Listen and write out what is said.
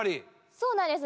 そうなんです。